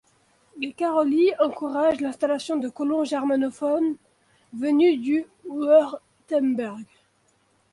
Les Károlyi encouragent l'installation de colons germanophones venus du Wurtemberg.